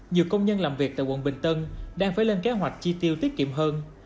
nhiều công nhân làm việc tại quận bình tân đang phải lên kế hoạch chi tiêu tiết kiệm hơn